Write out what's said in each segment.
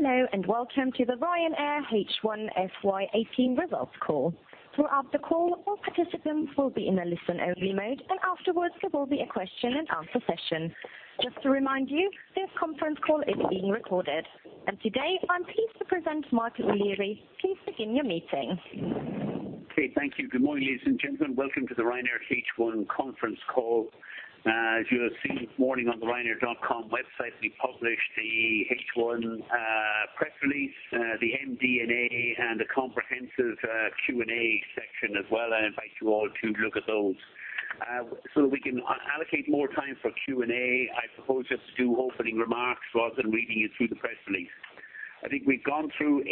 Hello, welcome to the Ryanair H1 FY 2018 results call. Throughout the call, all participants will be in a listen-only mode. Afterwards there will be a question and answer session. Just to remind you, this conference call is being recorded. Today, I am pleased to present Michael O'Leary. Please begin your meeting. Thank you. Good morning, ladies and gentlemen. Welcome to the Ryanair H1 conference call. As you have seen this morning on the ryanair.com website, we published the H1 press release, the MD&A, and a comprehensive Q&A section as well. I invite you all to look at those. We can allocate more time for Q&A, I suppose just do opening remarks rather than reading you through the press release. I think we have gone through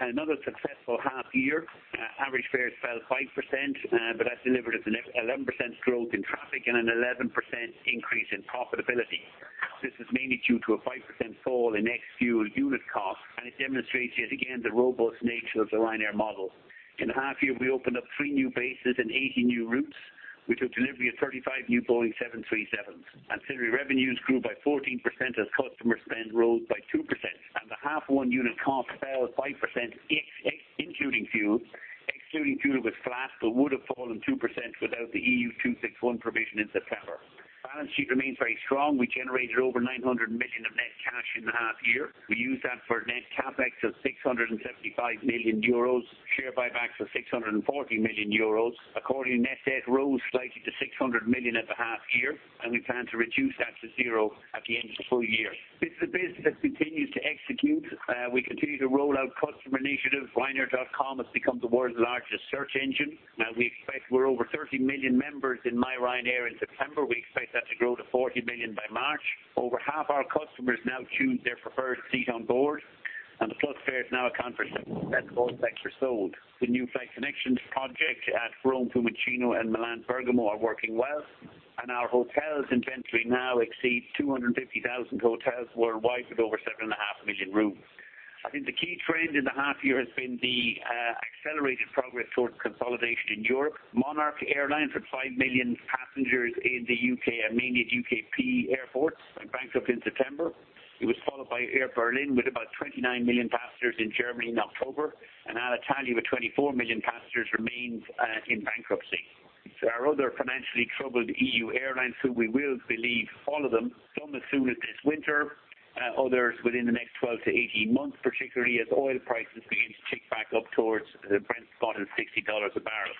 another successful half year. Average fares fell 5%. That is delivered as an 11% growth in traffic and an 11% increase in profitability. This is mainly due to a 5% fall in ex-fuel unit cost. It demonstrates yet again the robust nature of the Ryanair model. In the half year, we opened up three new bases and 80 new routes. We took delivery of 35 new Boeing 737s. Ancillary revenues grew by 14% as customer spend rose by 2%. The H1 unit cost fell 5%, including fuel. Excluding fuel was flat. It would have fallen 2% without the EU261 provision in September. Balance sheet remains very strong. We generated over 900 million of net cash in the half year. We used that for net CapEx of 675 million euros, share buybacks of 640 million euros. According net debt rose slightly to 600 million at the half year. We plan to reduce that to 0 at the end of the full year. This is a business that continues to execute. We continue to roll out customer initiatives. ryanair.com has become the world's largest search engine. We expect we are over 30 million members in myRyanair in September. We expect that to grow to 40 million by March. Over half our customers now choose their preferred seat on board. The Plus fares now account for 70% of all seats sold. The new flight connections project at Rome Fiumicino and Milan Bergamo are working well. Our hotels inventory now exceeds 250,000 hotels worldwide with over seven and a half million rooms. I think the key trend in the half year has been the accelerated progress toward consolidation in Europe. Monarch Airlines had 5 million passengers in the U.K. and mainly at U.K. P airports and bankrupt in September. It was followed by Air Berlin with about 29 million passengers in Germany in October. Alitalia with 24 million passengers remains in bankruptcy. There are other financially troubled EU airlines who we will believe follow them, some as soon as this winter, others within the next 12 to 18 months, particularly as oil prices begin to tick back up towards Brent Spot at $60 a barrel.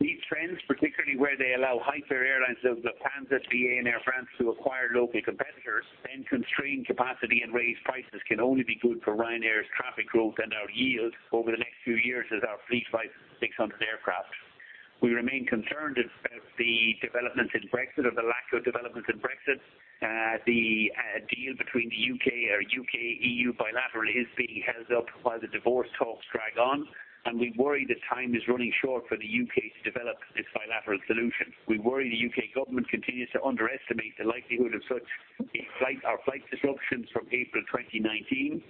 These trends, particularly where they allow high fare airlines of Lufthansa, BA, and Air France to acquire local competitors, then constrain capacity and raise prices can only be good for Ryanair's traffic growth and our yield over the next few years as our fleet rises to 600 aircraft. We remain concerned about the developments in Brexit or the lack of developments in Brexit. The deal between the U.K. or U.K.-EU bilateral is being held up while the divorce talks drag on. We worry that time is running short for the U.K. to develop this bilateral solution. We worry the U.K. government continues to underestimate the likelihood of such a flight or flight disruptions from April 2019,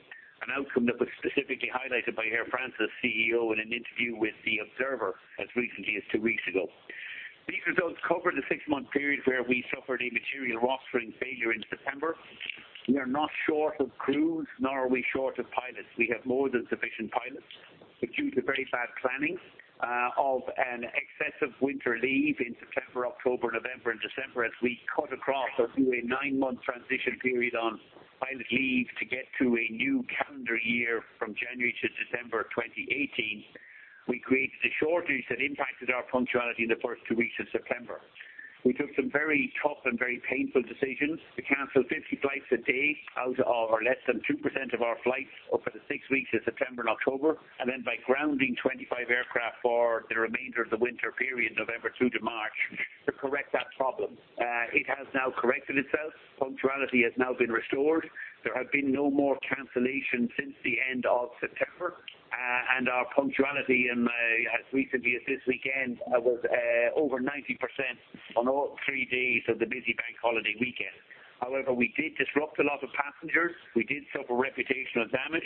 an outcome that was specifically highlighted by Air France's CEO in an interview with The Observer as recently as two weeks ago. These results cover the six-month period where we suffered a material rostering failure in September. We are not short of crews, nor are we short of pilots. We have more than sufficient pilots. Due to very bad planning of an excessive winter leave in September, October, November, and December, as we cut across or do a nine-month transition period on pilot leave to get to a new calendar year from January to December 2018, we created a shortage that impacted our punctuality in the first two weeks of September. We took some very tough and very painful decisions to cancel 50 flights a day out of our less than 2% of our flights over the six weeks of September and October, then by grounding 25 aircraft for the remainder of the winter period, November through to March, to correct that problem. It has now corrected itself. Punctuality has now been restored. There have been no more cancellations since the end of September. Our punctuality in, as recently as this weekend, was over 90% on all three days of the busy bank holiday weekend. However, we did disrupt a lot of passengers. We did suffer reputational damage.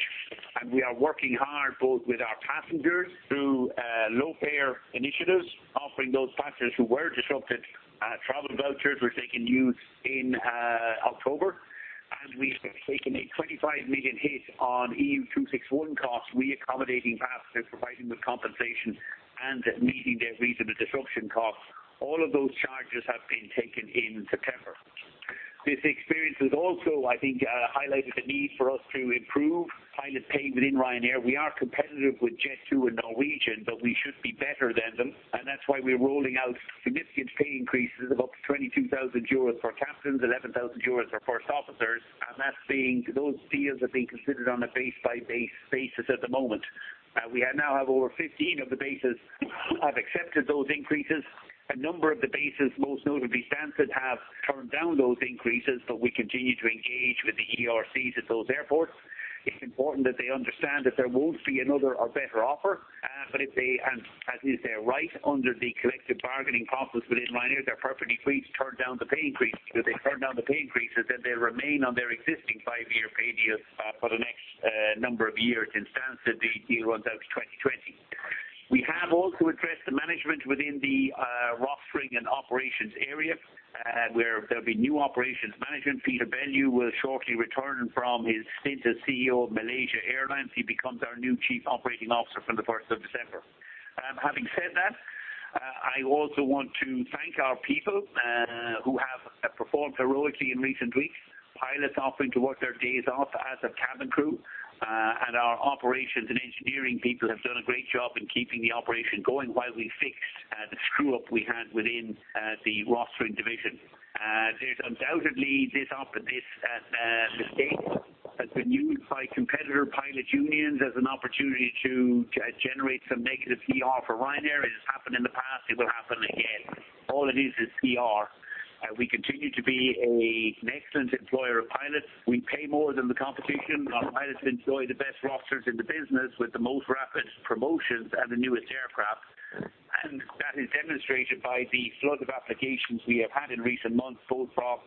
We are working hard both with our passengers through low fare initiatives, offering those passengers who were disrupted travel vouchers which they can use in October. We have taken a 25 million hit on EU261 costs, re-accommodating passengers, providing them with compensation, and meeting their reasonable disruption costs. All of those charges have been taken in September. This experience has also, I think, highlighted the need for us to improve pilot pay within Ryanair. We are competitive with Jet2 and Norwegian, but we should be better than them. That's why we're rolling out significant pay increases of up to 22,000 euros for captains, 11,000 euros for first officers. Those deals are being considered on a base-by-base basis at the moment. We now have over 15 of the bases have accepted those increases. A number of the bases, most notably Stansted, have turned down those increases. We continue to engage with the ERCs at those airports. It's important that they understand that there won't be another or better offer, but if they, and as is their right under the collective bargaining process within Ryanair, they're perfectly free to turn down the pay increases. If they turn down the pay increases, then they remain on their existing five-year pay deal for the next number of years. In Stansted, the deal runs out to 2020. We have also addressed the management within the rostering and operations area, where there'll be new operations management. Peter Bellew will shortly return from his stint as CEO of Malaysia Airlines. He becomes our new Chief Operating Officer from the 1st of December. Having said that, I also want to thank our people who have performed heroically in recent weeks. Pilots offering to work their days off as a cabin crew, and our operations and engineering people have done a great job in keeping the operation going while we fix the screw-up we had within the rostering division. There's undoubtedly this mistake has been used by competitor pilot unions as an opportunity to generate some negative PR for Ryanair. It has happened in the past. It will happen again. All it is is PR. We continue to be an excellent employer of pilots. We pay more than the competition. Our pilots enjoy the best rosters in the business with the most rapid promotions and the newest aircraft, and that is demonstrated by the flood of applications we have had in recent months, both from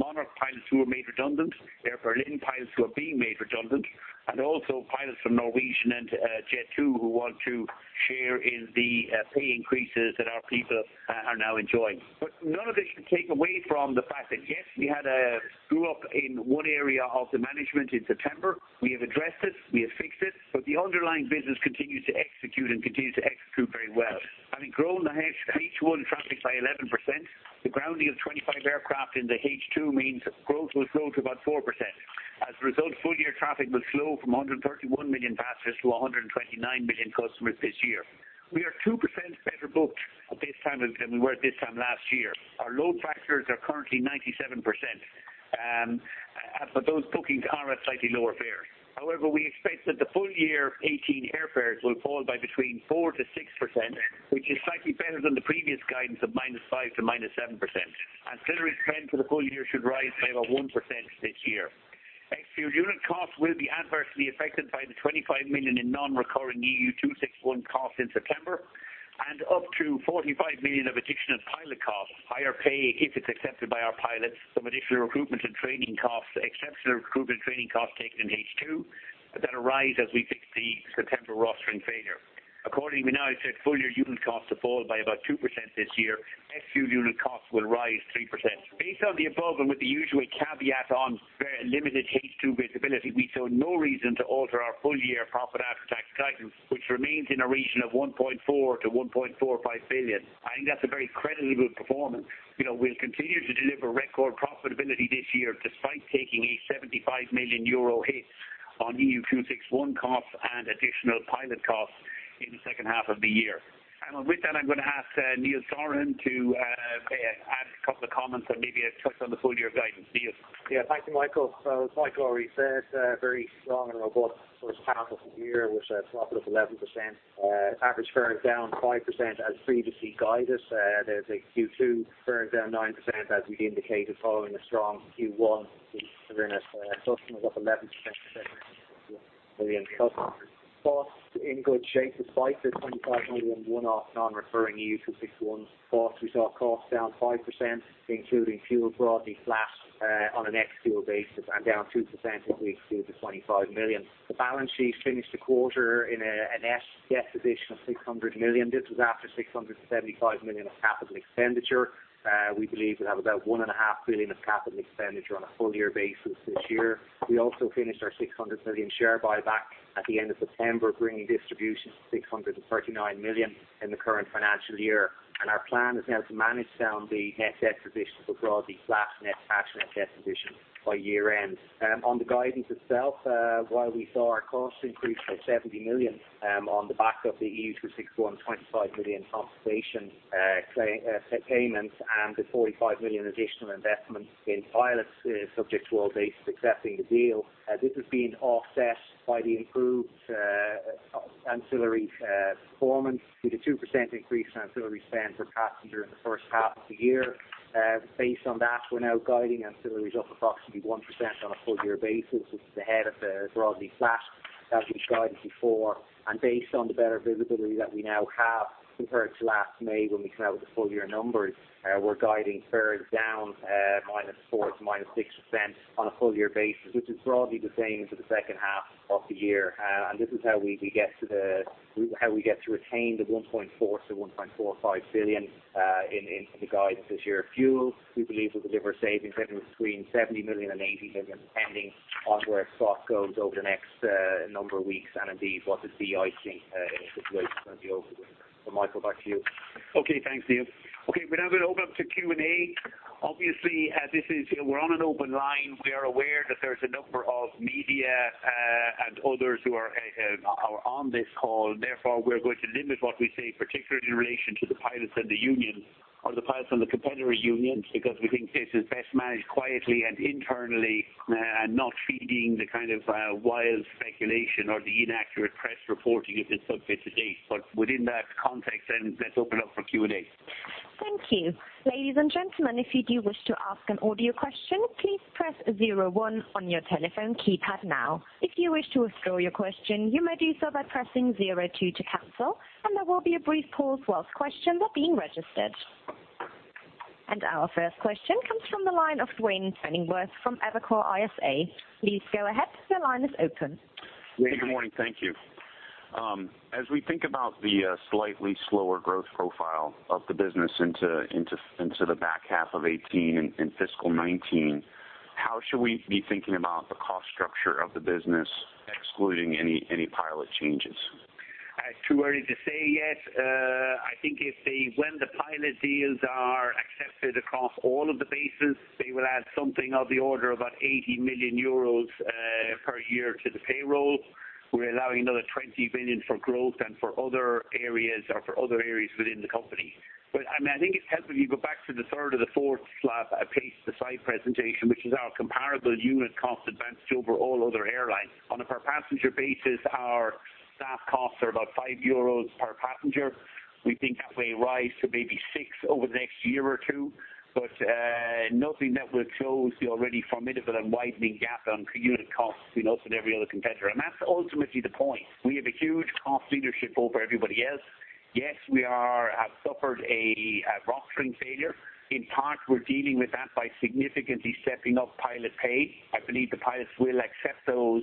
Monarch pilots who were made redundant, Air Berlin pilots who are being made redundant, and also pilots from Norwegian and Jet2 who want to share in the pay increases that our people are now enjoying. None of this should take away from the fact that, yes, we had a screw-up in one area of the management in September. We have addressed it, we have fixed it, but the underlying business continues to execute and continues to execute very well. Having grown the H1 traffic by 11%, the grounding of 25 aircraft into H2 means growth will slow to about 4%. As a result, full-year traffic will slow from 131 million passengers to 129 million customers this year. We are 2% better booked than we were at this time last year. Our load factors are currently 97%, but those bookings are at slightly lower fares. However, we expect that the full-year 2018 airfares will fall by between 4%-6%, which is slightly better than the previous guidance of -5% to -7%. Ancillary spend for the full year should rise by about 1% this year. Ex-fuel unit costs will be adversely affected by the 25 million in non-recurring EU261 costs in September and up to 45 million of additional pilot costs, higher pay if it's accepted by our pilots, some additional recruitment and training costs, exceptional recruitment training costs taken in H2 that arise as we fix the September rostering failure. Accordingly, we now expect full-year unit costs to fall by about 2% this year. Ex-fuel unit costs will rise 3%. Based on the above and with the usual caveat on limited H2 visibility, we saw no reason to alter our full-year profit after tax guidance, which remains in a region of 1.4 billion to 1.45 billion. I think that's a very creditable performance. We'll continue to deliver record profitability this year despite taking a 70 million euro hit on EU261 costs and additional pilot costs in the second half of the year. With that, I'm going to ask Neil Sorahan to add a couple of comments and maybe touch on the full-year guidance. Neil. Thank you, Michael. As Michael already said, very strong and robust first half of the year with a profit of 11%, average fares down 5% as previously guided. Q2 fares down 9% as we'd indicated following a strong Q1. We are up 11 million customers. Costs in good shape despite the 25 million one-off non-recurring EU261 costs. We saw costs down 5%, including fuel broadly flat on an ex-fuel basis and down 2% if we exclude the 25 million. The balance sheet finished the quarter in a net debt position of 600 million. This was after 675 million of capital expenditure. We believe we'll have about 1.5 billion of capital expenditure on a full-year basis this year. We also finished our 600 million share buyback at the end of September, bringing distributions to 639 million in the current financial year. Our plan is now to manage down the net debt position to a broadly flat net cash net debt position by year end. On the guidance itself, while we saw our costs increase by 70 million on the back of the EU261 25 million compensation payments and the 45 million additional investment in pilots subject to all this accepting the deal, this has been offset by the improved ancillary performance with a 2% increase in ancillary spend per passenger in the first half of the year. Based on that, we're now guiding ancillaries up approximately 1% on a full-year basis, which is ahead of the broadly flat as we've guided before. Based on the better visibility that we now have compared to last May when we came out with the full-year numbers, we're guiding fares down -4% to -6% on a full-year basis, which is broadly the same for the second half of the year. This is how we get to retain the 1.4 billion to 1.45 billion in the guidance this year. Fuel, we believe will deliver savings anywhere between 70 million and 80 million, depending on where spot goes over the next number of weeks, and indeed what the de-icing situation is going to be over the winter. Michael, back to you. Thanks, Neil. We're now going to open up to Q&A. Obviously, we're on an open line. We are aware that there's a number of media and others who are on this call. Therefore, we're going to limit what we say, particularly in relation to the pilots and the unions or the pilots and the competitor unions, because we think this is best managed quietly and internally and not feeding the kind of wild speculation or the inaccurate press reporting that has took place to date. Within that context, let's open up for Q&A. Thank you. Ladies and gentlemen, if you do wish to ask an audio question, please press 01 on your telephone keypad now. If you wish to withdraw your question, you may do so by pressing 02 to cancel, there will be a brief pause whilst questions are being registered. Our first question comes from the line of Duane Pfennigwerth from Evercore ISI. Please go ahead. Your line is open. Hey, good morning. Thank you. As we think about the slightly slower growth profile of the business into the back half of 2018 and fiscal 2019, how should we be thinking about the cost structure of the business, excluding any pilot changes? It's too early to say yet. I think when the pilot deals are accepted across all of the bases, they will add something of the order of about 80 million euros per year to the payroll. We're allowing another 20 million for growth and for other areas within the company. I think it's helpful if you go back to the third or the fourth slide of pace, the slide presentation, which is our comparable unit cost advantage over all other airlines. On a per passenger basis, our staff costs are about 5 euros per passenger. We think that may rise to maybe 6 over the next year or two, but nothing that will close the already formidable and widening gap on per unit costs between us and every other competitor. That's ultimately the point. We have a huge cost leadership over everybody else. We have suffered a rostering failure. In part, we're dealing with that by significantly stepping up pilot pay. I believe the pilots will accept those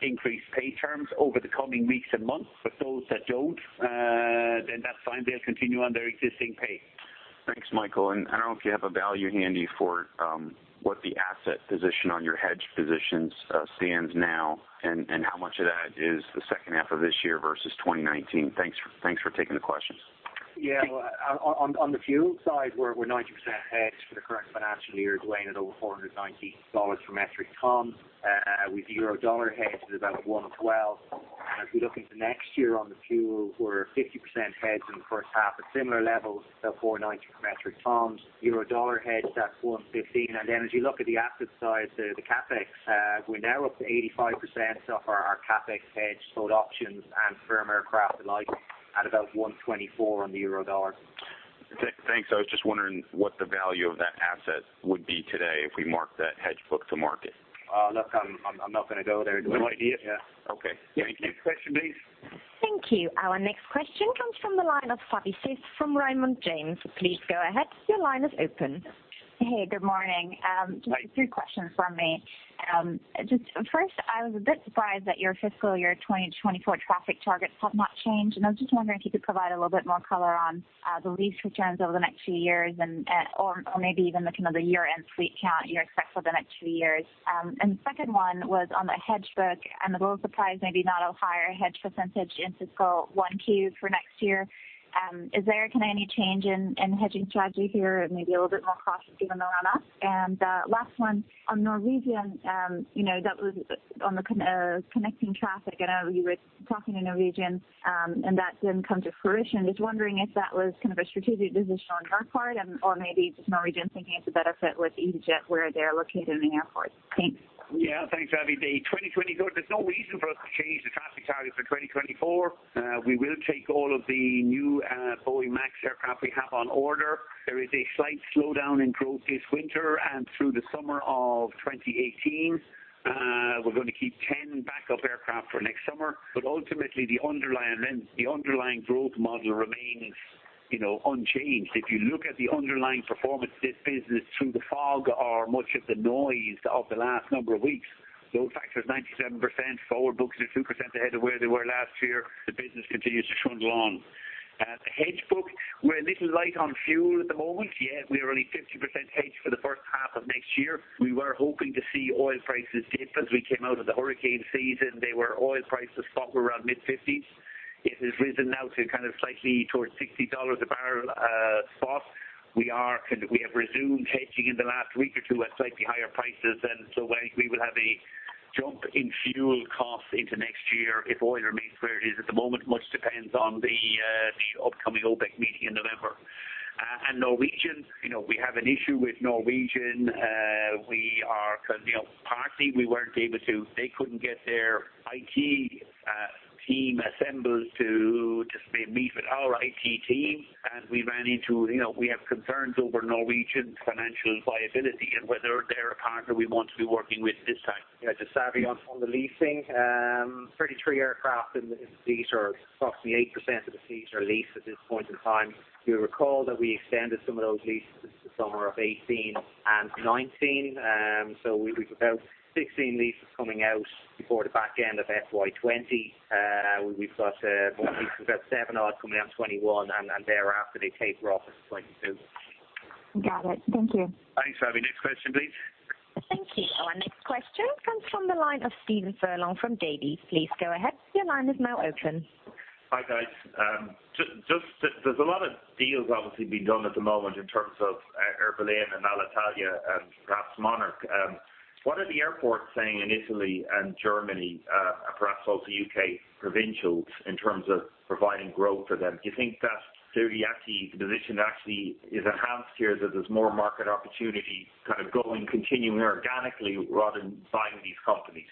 increased pay terms over the coming weeks and months, those that don't, that's fine. They'll continue on their existing pay. Thanks, Michael. I don't know if you have a value handy for what the asset position on your hedge positions stands now and how much of that is the second half of this year versus 2019. Thanks for taking the questions. On the fuel side, we're 90% hedged for the current financial year, Duane, at over $490 for metric tons. With euro-dollar hedge is about 112. If we look into next year on the fuel, we're 50% hedged in the first half at similar levels, so $490 for metric tons. Euro-dollar hedge, that's 115. As you look at the asset side, the CapEx, we're now up to 85% of our CapEx hedge, both options and firm aircraft and the like at about 124 on the euro dollar. Thanks. I was just wondering what the value of that asset would be today if we marked that hedge book to market. Look, I'm not going to go there, Duane. No idea? Yeah. Okay. Thank you. Next question, please. Thank you. Our next question comes from the line of Savi Syth from Raymond James. Please go ahead. Your line is open. Hey, good morning. 3 questions from me. Just first, I was a bit surprised that your fiscal year 2024 traffic targets have not changed, and I was just wondering if you could provide a little bit more color on the lease returns over the next few years or maybe even the kind of the year-end fleet count you expect for the next few years. The second one was on the hedge book. I'm a little surprised, maybe not a higher hedge % in fiscal 1Q for next year. Is there any change in hedging strategy here? Maybe a little bit more cautious given the run-up. Last one on Norwegian, that was on the connecting traffic. I know you were talking to Norwegian, and that didn't come to fruition. Just wondering if that was kind of a strategic decision on your part or maybe just Norwegian thinking it's a better fit with easyJet where they're located in the airport. Thanks. Yeah. Thanks, Savi. There's no reason for us to change the traffic targets for 2024. We will take all of the new Boeing MAX aircraft we have on order. There is a slight slowdown in growth this winter and through the summer of 2018. We're going to keep 10 backup aircraft for next summer. Ultimately, the underlying growth model remains unchanged. If you look at the underlying performance of this business through the fog or much of the noise of the last number of weeks, load factor is 97%, forward bookings are 2% ahead of where they were last year. The business continues to trundle on. The hedge book, we're a little light on fuel at the moment. Yeah, we are only 50% hedged for the first half of next year. We were hoping to see oil prices dip as we came out of the hurricane season. They were oil prices spot were around mid-50s. It has risen now to kind of slightly towards $60 a barrel spot. We have resumed hedging in the last week or two at slightly higher prices. We will have a jump in fuel costs into next year if oil remains where it is at the moment. Much depends on the upcoming OPEC meeting in November. Norwegian, we have an issue with Norwegian. They couldn't get their IT team assembled to meet with our IT team. We have concerns over Norwegian's financial viability and whether they're a partner we want to be working with this time. Yeah, just Savi, on the leasing. 33 aircraft in the fleet, or approximately 8% of the fleet are leased at this point in time. You'll recall that we extended some of those leases to the summer of 2018 and 2019. We've about 16 leases coming out before the back end of FY 2020. We've got seven coming out in 2021, and thereafter they taper off into 2022. Got it. Thank you. Thanks, Savi. Next question, please. Thank you. Our next question comes from the line of Stephen Furlong from Davy. Please go ahead. Your line is now open. Hi, guys. There's a lot of deals obviously being done at the moment in terms of Air Berlin and Alitalia and perhaps Monarch. What are the airports saying in Italy and Germany, perhaps also UK provincials, in terms of providing growth for them? Do you think that theory actually, the position actually is enhanced here that there's more market opportunity kind of going, continuing organically rather than buying these companies?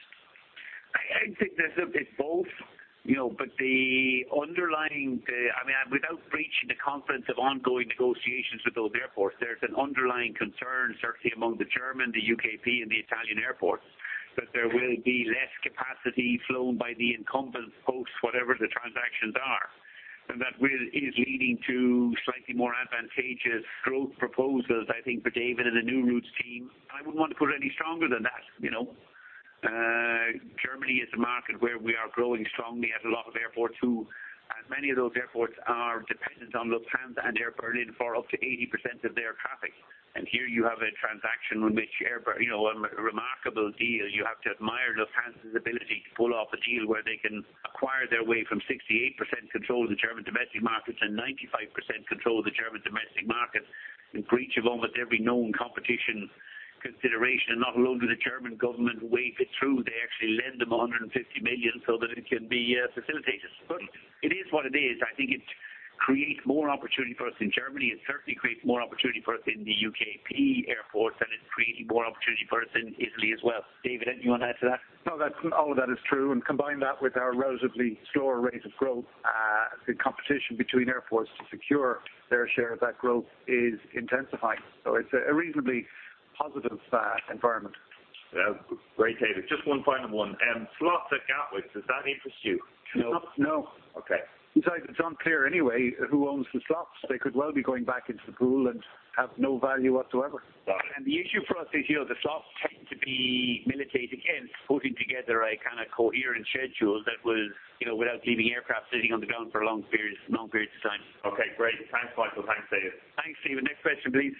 I think it's both. Without breaching the confidence of ongoing negotiations with those airports, there's an underlying concern certainly among the German, the UKP, and the Italian airports that there will be less capacity flown by the incumbents post whatever the transactions are. That is leading to slightly more advantageous growth proposals, I think, for David and the new routes team. I wouldn't want to put it any stronger than that. Germany is a market where we are growing strongly at a lot of airports who, as many of those airports, are dependent on Lufthansa and Air Berlin for up to 80% of their traffic. Here you have a transaction in which Air Berlin. A remarkable deal. You have to admire Lufthansa's ability to pull off a deal where they can acquire their way from 68% control of the German domestic markets and 95% control of the German domestic market. In breach of almost every known competition consideration. Not alone did the German government wave it through, they actually lend them 150 million so that it can be facilitated. It is what it is. I think it creates more opportunity for us in Germany. It certainly creates more opportunity for us in the UK P airports, and it's creating more opportunity for us in Italy as well. David, anything you want to add to that? No. All of that is true, combine that with our relatively slower rate of growth, the competition between airports to secure their share of that growth is intensifying. It's a reasonably positive environment. Great, David. Just one final one. Slots at Gatwick, does that interest you? No. Okay. Besides, it's unclear anyway who owns the slots. They could well be going back into the pool and have no value whatsoever. The issue for us is the slots tend to be militating against putting together a coherent schedule that was without leaving aircraft sitting on the ground for long periods of time. Okay, great. Thanks, Michael. Thanks, David. Thanks, Stephen. Next question, please.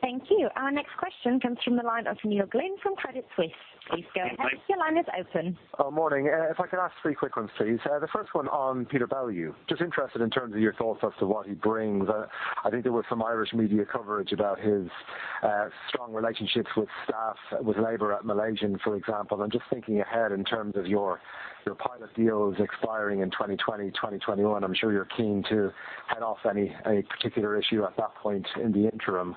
Thank you. Our next question comes from the line of Neil Glynn from Credit Suisse. Please go ahead. Your line is open. Morning. If I could ask three quick ones, please. The first one on Peter Bellew. Just interested in terms of your thoughts as to what he brings. I think there was some Irish media coverage about his strong relationships with staff, with labor at Malaysian, for example. I'm just thinking ahead in terms of your pilot deals expiring in 2020, 2021. I'm sure you're keen to head off any particular issue at that point in the interim.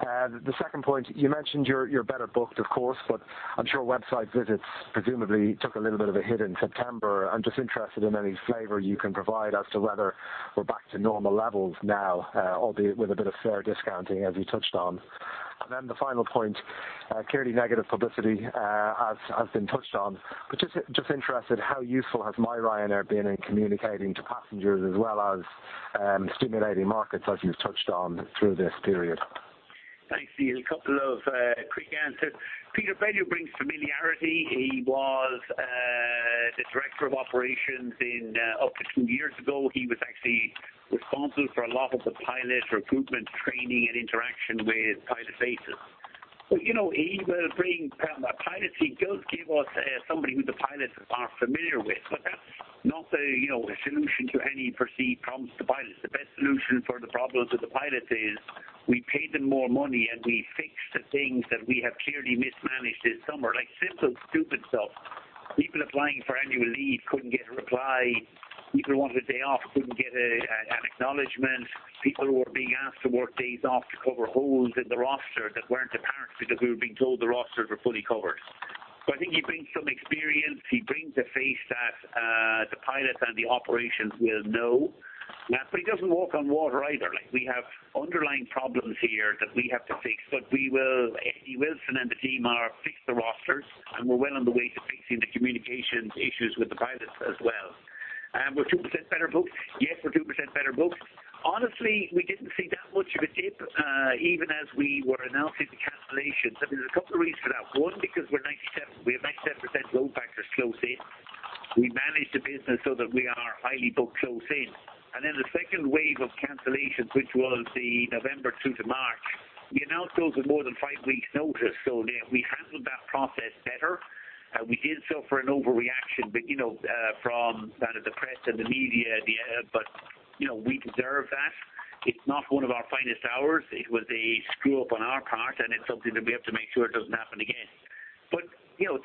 The second point, you mentioned you're better booked, of course, but I'm sure website visits presumably took a little bit of a hit in September. I'm just interested in any flavor you can provide as to whether we're back to normal levels now, albeit with a bit of fare discounting, as you touched on. The final point, clearly negative publicity has been touched on, but just interested, how useful has myRyanair been in communicating to passengers as well as stimulating markets as you've touched on through this period? Thanks, Neil. A couple of quick answers. Peter Bellew brings familiarity. He was the Director of Operations up to two years ago. He was actually responsible for a lot of the pilot recruitment, training, and interaction with pilot bases. He does give us somebody who the pilots are familiar with, but not a solution to any perceived problems to pilots. The best solution for the problems with the pilots is we pay them more money, and we fix the things that we have clearly mismanaged this summer. Like simple, stupid stuff. People applying for annual leave couldn't get a reply. People who wanted a day off couldn't get an acknowledgment. People who were being asked to work days off to cover holes in the roster that weren't apparent because we were being told the rosters were fully covered. I think he brings some experience. He brings a face that the pilots and the operations will know. He doesn't walk on water either. We have underlying problems here that we have to fix, but we will. Eddie Wilson and the team are fixing the rosters, and we're well on the way to fixing the communications issues with the pilots as well. We're 2% better booked. Yes, we're 2% better booked. Honestly, we didn't see that much of a dip, even as we were announcing the cancellations. I mean, there's a couple of reasons for that. One, because we have 97% load factors close in. We manage the business so that we are highly booked close in. Then the second wave of cancellations, which was the November through to March, we announced those with more than five weeks notice. We handled that process better. We did suffer an overreaction from the press and the media, but we deserve that. It's not one of our finest hours. It was a screw up on our part, and it's something that we have to make sure it doesn't happen again.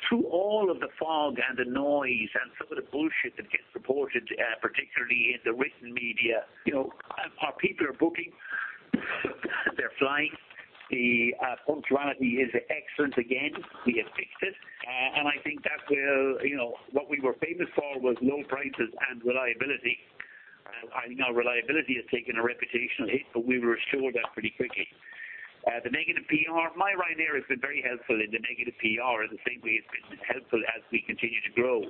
Through all of the fog and the noise and some of the bullshit that gets reported, particularly in the written media. Our people are booking, they're flying. The punctuality is excellent again. We have fixed it. I think what we were famous for was low prices and reliability. I think our reliability has taken a reputational hit, but we restored that pretty quickly. The negative PR, myRyanair has been very helpful in the negative PR, in the same way it's been helpful as we continue to grow.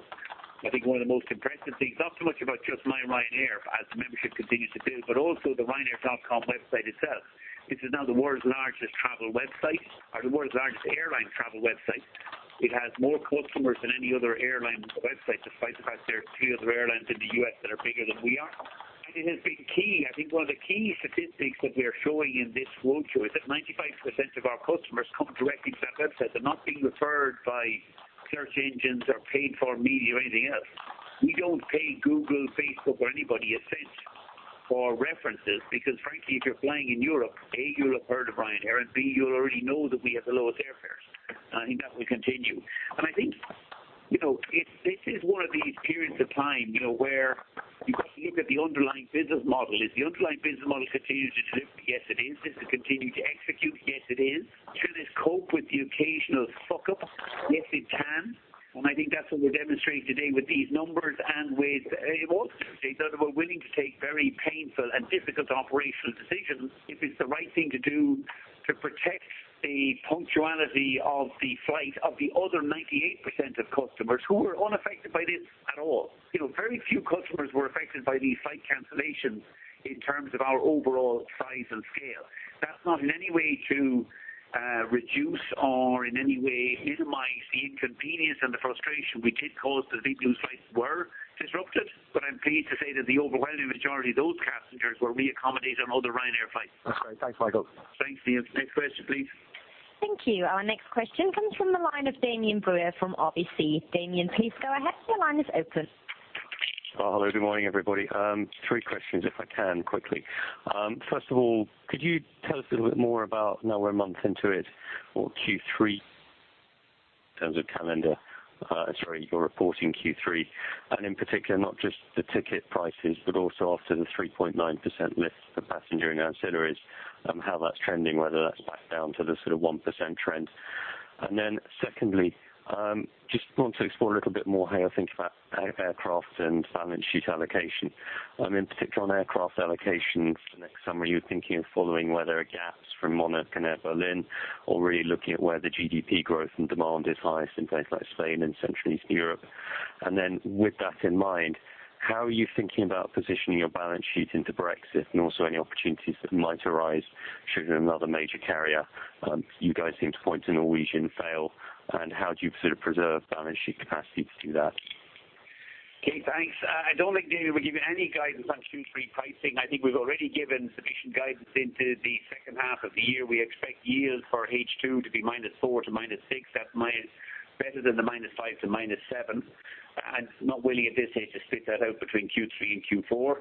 I think one of the most impressive things, not so much about just myRyanair as the membership continues to build, but also the ryanair.com website itself. It is now the world's largest travel website or the world's largest airline travel website. It has more customers than any other airline website, despite the fact there are three other airlines in the U.S. that are bigger than we are. I think it has been key. I think one of the key statistics that we are showing in this roadshow is that 95% of our customers come directly to that website. They're not being referred by search engines or paid for media or anything else. We don't pay Google, Facebook, or anybody a cent for references because frankly, if you're flying in Europe, A, you'll have heard of Ryanair, and B, you'll already know that we have the lowest airfares. I think that will continue. I think this is one of these periods of time where you've got to look at the underlying business model. Is the underlying business model continuing to deliver? Yes, it is. Does it continue to execute? Yes, it is. Should this cope with the occasional fuck up? Yes, it can. I think that's what we're demonstrating today with these numbers and with it also demonstrates that we're willing to take very painful and difficult operational decisions if it's the right thing to do to protect the punctuality of the flight of the other 98% of customers who were unaffected by this at all. Very few customers were affected by these flight cancellations in terms of our overall size and scale. That's not in any way to reduce or in any way minimize the inconvenience and the frustration we did cause to the people whose flights were disrupted. I'm pleased to say that the overwhelming majority of those passengers were reaccommodated on other Ryanair flights. That's great. Thanks, Michael. Thanks, Neil. Next question, please. Thank you. Our next question comes from the line of Damian Brewer from RBC. Damian, please go ahead. Your line is open. Hello, good morning, everybody. Three questions, if I can, quickly. First of all, could you tell us a little bit more about now we're a month into it or Q3 in terms of calendar. Sorry, your reporting Q3, in particular, not just the ticket prices, but also after the 3.9% lift for passenger and ancillaries, how that's trending, whether that's back down to the sort of 1% trend. Secondly, just want to explore a little bit more how you think about aircraft and balance sheet allocation. In particular on aircraft allocation for next summer, are you thinking of following where there are gaps from Monarch Airlines and Air Berlin, or really looking at where the GDP growth and demand is highest in places like Spain and Central East Europe? With that in mind, how are you thinking about positioning your balance sheet into Brexit and also any opportunities that might arise should another major carrier, you guys seem to point to Norwegian Air Shuttle, fail, how do you sort of preserve balance sheet capacity to do that? Okay, thanks. I don't think, Damian, we'll give you any guidance on Q3 pricing. I think we've already given sufficient guidance into the second half of the year. We expect yield for H2 to be minus four to minus six. That's better than the minus five to minus seven. I'm not willing at this stage to split that out between Q3 and Q4.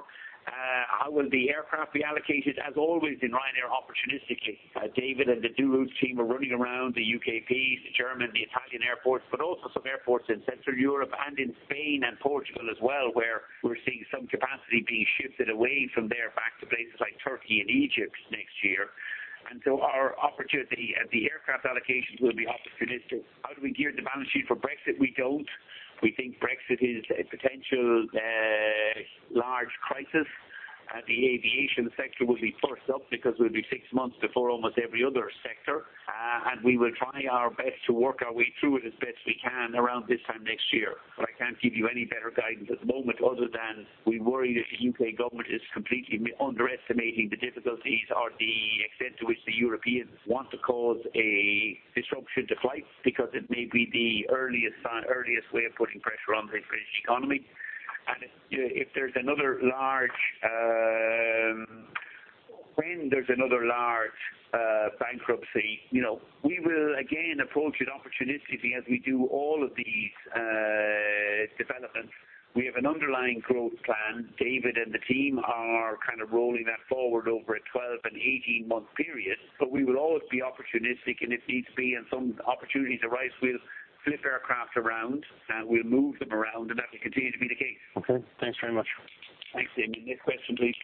How will the aircraft be allocated? As always in Ryanair, opportunistically. David and the routes team are running around the UKPs, the German, the Italian airports, but also some airports in Central Europe and in Spain and Portugal as well, where we're seeing some capacity being shifted away from there back to places like Turkey and Egypt next year. Our opportunity at the aircraft allocations will be opportunistic. How do we gear the balance sheet for Brexit? We don't. We think Brexit is a potential large crisis. The aviation sector will be first up because we'll be six months before almost every other sector. We will try our best to work our way through it as best we can around this time next year. I can't give you any better guidance at the moment other than we worry that the U.K. government is completely underestimating the difficulties or the extent to which the Europeans want to cause a disruption to flights, because it may be the earliest way of putting pressure on the British economy. If there's another large bankruptcy, we will again approach it opportunistically as we do all of these developments. We have an underlying growth plan. David and the team are kind of rolling that forward over a 12 and 18-month period, but we will always be opportunistic, and if needs be and some opportunities arise, we'll flip aircraft around, and we'll move them around, and that will continue to be the case. Okay, thanks very much. Thanks, Damian. Next question, please.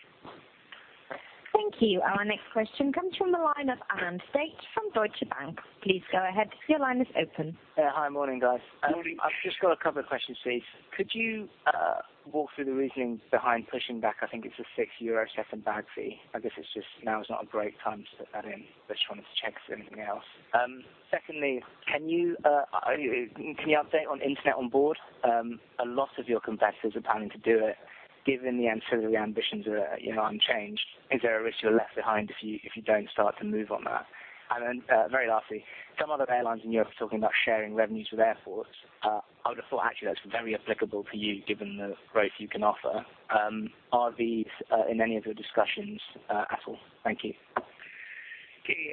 Thank you. Our next question comes from the line of Andrew Sheridan from Deutsche Bank. Please go ahead. Your line is open. Yeah. Hi. Morning, guys. Morning. I've just got a couple of questions, please. Could you walk through the reasoning behind pushing back, I think it's the 6 euro second bag fee? I guess it's just now is not a great time to put that in. Just wanted to check if there's anything else. Secondly, can you update on internet on board? A lot of your competitors are planning to do it. Given the ancillary ambitions are unchanged, is there a risk you're left behind if you don't start to move on that? Very lastly, some other airlines in Europe are talking about sharing revenues with airports. I would have thought actually that's very applicable for you given the growth you can offer. Are these in any of your discussions at all? Thank you. Okay.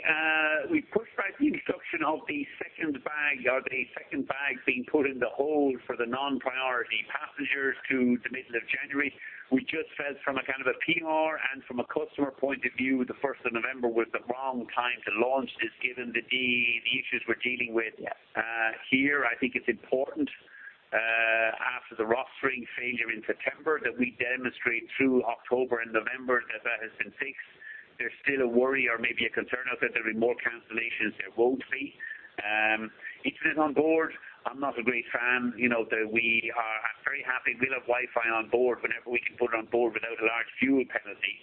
We pushed back the introduction of the second bag or the second bag being put in the hold for the non-priority passengers to the middle of January. We just felt from a kind of a PR and from a customer point of view, the 1st of November was the wrong time to launch this given the issues we're dealing with here. I think it's important after the rostering failure in September that we demonstrate through October and November that that has been fixed. There's still a worry or maybe a concern out there there'll be more cancellations. There won't be. Internet on board, I'm not a great fan. I'm very happy. We'll have Wi-Fi on board whenever we can put it on board without a large fuel penalty.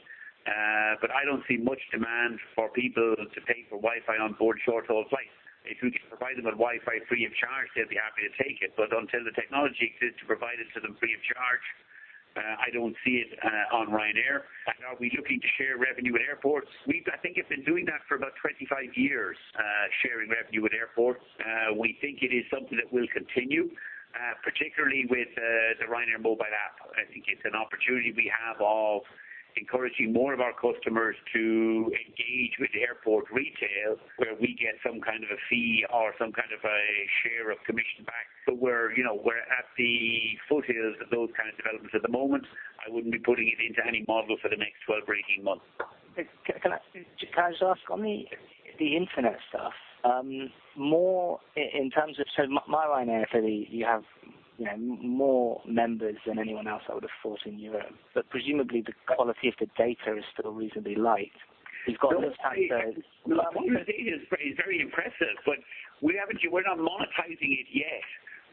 I don't see much demand for people to pay for Wi-Fi on board short-haul flights. If we can provide them with Wi-Fi free of charge, they'll be happy to take it, but until the technology exists to provide it to them free of charge, I don't see it on Ryanair. Are we looking to share revenue at airports? We, I think, have been doing that for about 25 years, sharing revenue with airports. We think it is something that will continue, particularly with the Ryanair mobile app. I think it's an opportunity we have of encouraging more of our customers to engage with the airport retail, where we get some kind of a fee or some kind of a share of commission back. We're at the foothills of those kind of developments at the moment. I wouldn't be putting it into any model for the next 12 or 18 months. Can I just ask on the internet stuff? myRyanair for the. You have more members than anyone else I would have thought in Europe. Presumably the quality of the data is still reasonably light. No. The quality of the data is very impressive, but we're not monetizing it yet.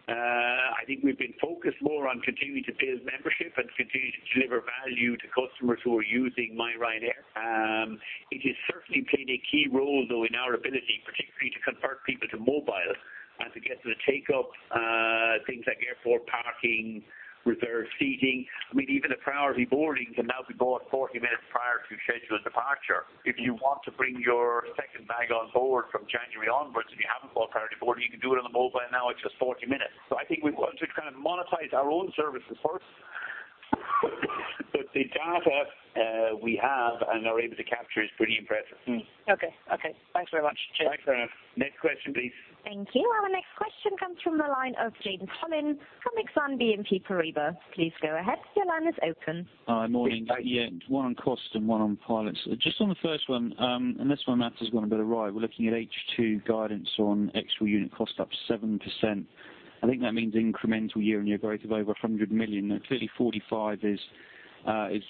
I think we've been focused more on continuing to build membership and continuing to deliver value to customers who are using myRyanair. It is certainly playing a key role, though, in our ability, particularly to convert people to mobile and to get them to take up things like airport parking, reserved seating. I mean, even the priority boarding can now be bought 40 minutes prior to scheduled departure. If you want to bring your second bag on board from January onwards, if you haven't got priority boarding, you can do it on the mobile now. It's just 40 minutes. I think we want to kind of monetize our own services first. The data we have and are able to capture is pretty impressive. Okay. Thanks very much. Cheers. Thanks for that. Next question, please. Thank you. Our next question comes from the line of James Hollins from Exane BNP Paribas. Please go ahead. Your line is open. Hi. Morning. Please go ahead. Yeah. One on cost and one on pilots. Just on the first one, unless my math has gone a bit awry, we're looking at H2 guidance on extra unit cost up 7%. I think that means incremental year-on-year growth of over 100 million. Clearly 45 is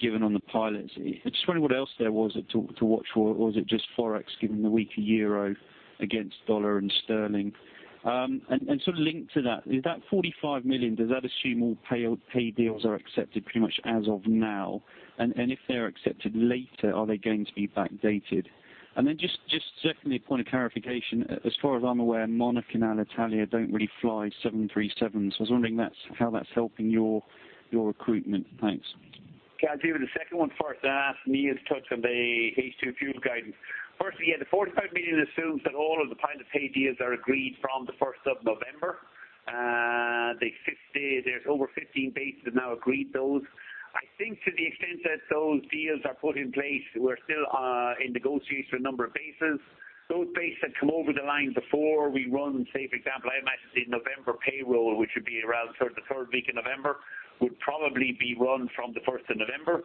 given on the pilots. I'm just wondering what else there was to watch for. Is it just Forex, given the weaker euro against dollar and sterling? Sort of linked to that, is that 45 million, does that assume all pay deals are accepted pretty much as of now? If they're accepted later, are they going to be backdated? Then just certainly a point of clarification. As far as I'm aware, Monarch and Alitalia don't really fly 737s. I was wondering how that's helping your recruitment. Thanks. Okay. I'll deal with the second one first, and ask Neil to touch on the H2 fuel guidance. Firstly, yeah, the 45 million assumes that all of the pilots' pay deals are agreed from the 1st of November. There's over 15 bases that now agreed those. I think to the extent that those deals are put in place, we're still in negotiation with a number of bases. Those bases that come over the line before we run, say, for example, I imagine the November payroll, which would be around sort of the 3rd week of November, would probably be run from the 1st of November.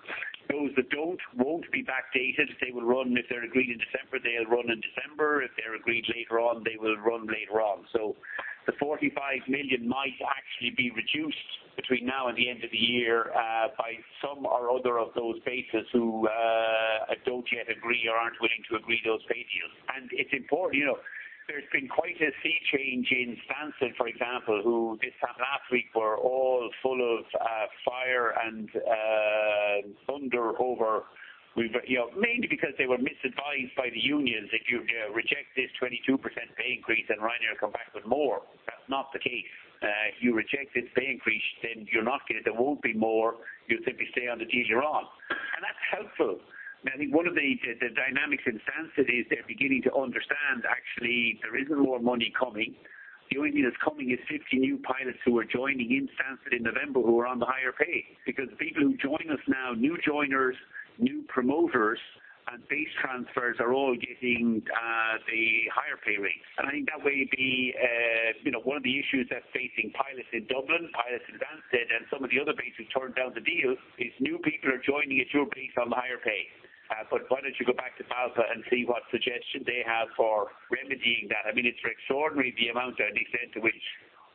Those that don't, won't be backdated. If they're agreed in December, they'll run in December. If they're agreed later on, they will run later on. The 45 million might actually be reduced between now and the end of the year by some or other of those bases who don't yet agree or aren't willing to agree those pay deals. It's important. There's been quite a sea change in Stansted, for example, who this time last week were all full of fire and thunder over Mainly because they were misadvised by the unions. If you reject this 22% pay increase, then Ryanair come back with more. That's not the case. If you reject this pay increase, then you're not getting it. There won't be more. You'll simply stay on the deal you're on. That's helpful. I think one of the dynamics in Stansted is they're beginning to understand actually there isn't more money coming. The only thing that's coming is 50 new pilots who are joining in Stansted in November who are on the higher pay. Because people who are joining us now, new joiners, new promoters, and base transfers are all getting the higher pay raise. I think that may be one of the issues that's facing pilots in Dublin, pilots in Stansted and some of the other bases who turned down the deal, is new people are joining at your base on the higher pay. Why don't you go back to BALPA and see what suggestion they have for remedying that? I mean, it's extraordinary the amount and extent to which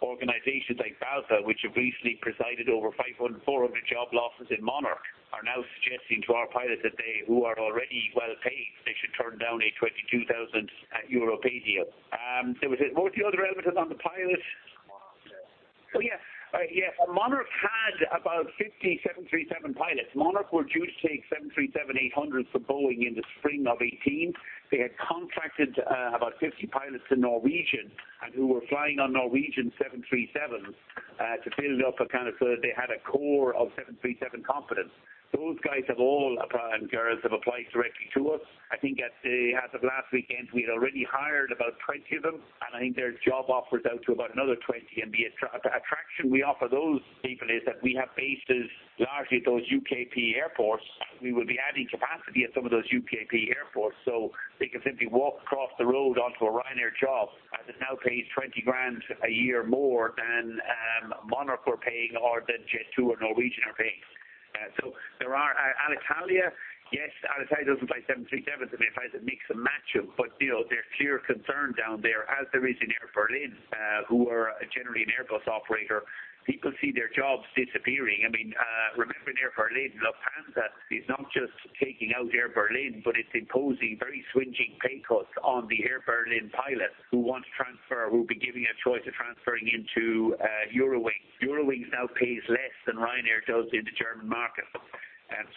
organizations like BALPA, which have recently presided over 500, 400 job losses in Monarch, are now suggesting to our pilots that they, who are already well paid, they should turn down a 22,000 euro pay deal. What was the other element on the pilots? Monarch. Yeah. Monarch had about 50 737 pilots. Monarch were due to take 737-800s from Boeing in the spring of 2018. They had contracted about 50 pilots to Norwegian who were flying on Norwegian 737s to build up a kind of so that they had a core of 737 competence. Those guys have all, and girls, have applied directly to us. I think as of last weekend, we had already hired about 20 of them, and I think there's job offers out to about another 20. The attraction we offer those people is that we have bases largely at those UKP airports, and we will be adding capacity at some of those UKP airports, so they can simply walk across the road onto a Ryanair job that now pays 20,000 a year more than Monarch were paying or than Jet2 or Norwegian are paying. Alitalia, yes, Alitalia doesn't fly 737s. They mainly fly the mix and match 'em. There's clear concern down there, as there is in Air Berlin, who are generally an Airbus operator. People see their jobs disappearing. Remember Air Berlin, Lufthansa is not just taking out Air Berlin, but it's imposing very swingeing pay cuts on the Air Berlin pilots who want to transfer, who'll be given a choice of transferring into Eurowings. Eurowings now pays less than Ryanair does in the German market.